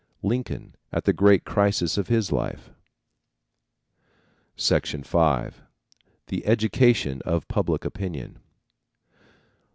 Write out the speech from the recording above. Lincoln at the great crisis of his life? V. THE EDUCATION OF PUBLIC OPINION.